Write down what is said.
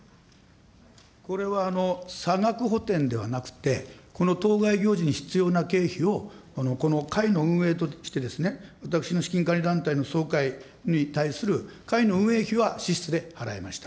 これは差額補填ではなくて、この当該行事に必要な経費を、この会の運営として私の資金管理団体の総会に対する会の運営費は支出で払いました。